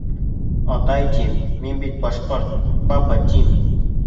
Атай, тим, мин бит башҡорт, папа, тим...